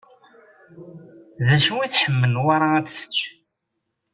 D acu i tḥemmel Newwara ad t-tečč?